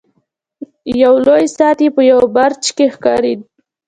یو لوی ساعت یې په یوه برج کې ښکاري.